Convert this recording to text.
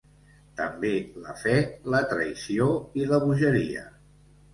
També la fe, la traïció, i la bogeria.